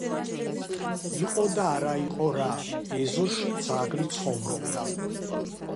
იყო და არა იყო რა ეზოში ძაღლი ცხოვრობდა